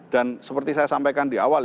dan seperti saya sampaikan di awal